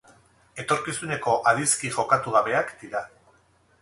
Etorkizuneko adizki jokatu gabeak dira.